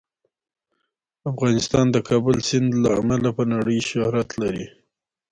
افغانستان د کابل سیند له امله په نړۍ شهرت لري.